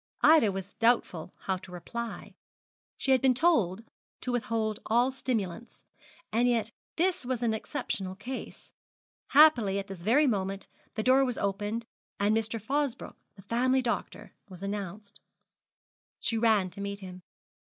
Ida was doubtful how to reply. She had been told to withhold all stimulants, and yet this was an exceptional case. Happily at this very moment the door was opened, and Mr. Fosbroke, the family doctor, was announced. She ran to meet him.